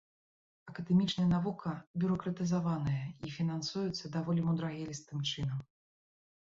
Акадэмічная навука бюракратызаваная і фінансуецца даволі мудрагелістым чынам.